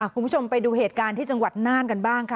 คุณผู้ชมไปดูเหตุการณ์ที่จังหวัดน่านกันบ้างค่ะ